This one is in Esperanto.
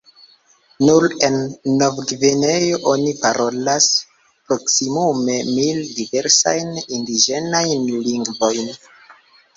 Nur en Nov-Gvineo oni parolas proksimume mil diversajn indiĝenajn lingvojn.